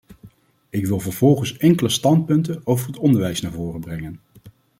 Ik wil vervolgens enkele standpunten over het onderwijs naar voren brengen.